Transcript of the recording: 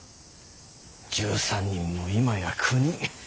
１３人も今や９人。